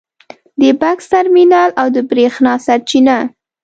د بکس ترمینل او د برېښنا سرچینه